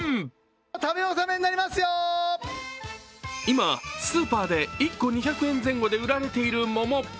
今、スーパーで１個２００円前後で売られている桃。